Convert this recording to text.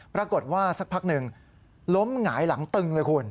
ปรากฏว่าสักพักหนึ่งล้มหงายหลังตึงเลยคุณ